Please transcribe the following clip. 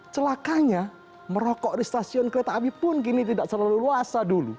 celakanya merokok di stasiun kereta api pun tidak bisa